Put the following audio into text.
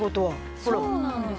そうなんです。